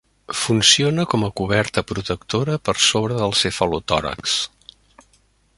Funciona com a coberta protectora per sobre del cefalotòrax.